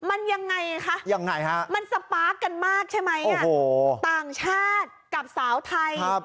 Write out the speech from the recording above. มันยังไงคะยังไงฮะมันสปาร์คกันมากใช่ไหมต่างชาติกับสาวไทย